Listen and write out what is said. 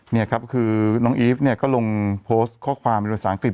เนี่ยครับคือนองอีฟเนี่ยก็ลงโพสต์ค้อความในวิวสาหกรีบ